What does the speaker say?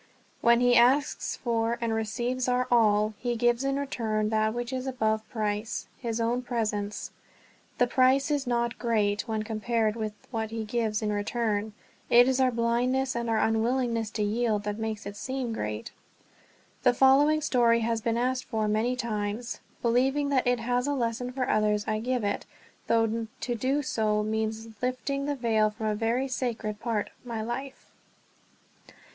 When he asks for and receives our all, he gives in return that which is above price his own presence. The price is not great when compared with what he gives in return; it is our blindness and our unwillingness to yield that make it seem great. The following story has been asked for many times. Believing that it has a lesson for others, I give it, though to do so means lifting the veil from a very sacred part of my life.